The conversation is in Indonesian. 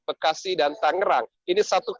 bekasi dan tangerang ini satu